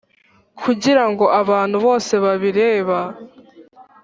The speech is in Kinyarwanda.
kugira ngo abantu bose babireba;